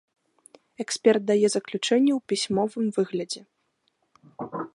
Эксперт дае заключэнне ў пісьмовым выглядзе.